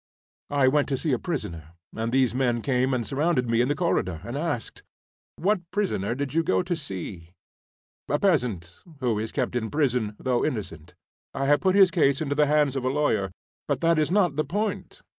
"I went to see a prisoner, and these men came and surrounded me in the corridor, and asked ..." "What prisoner did you go to see?" "A peasant who is kept in prison, though innocent. I have put his case into the hands of a lawyer. But that is not the point."